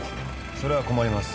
それは困ります。